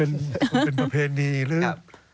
มันเป็นประเภนีเลย